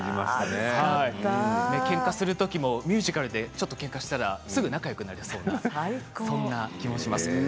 けんかするときもミュージカルでけんかしたらすぐ仲よくなるそうな気がします。